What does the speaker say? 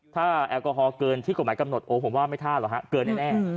ถ้าแอลกอฮอลเกินที่กฎหมายกำหนดโอ้ผมว่าไม่ท่าหรอกฮะเกินแน่